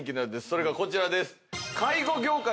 それがこちらです。